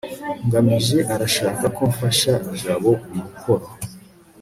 ngamije arashaka ko mfasha jabo umukoro